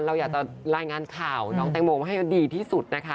เราอยากจะรายงานข่าวน้องแตงโมมาให้ดีที่สุดนะคะ